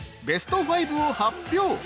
ベスト５を発表！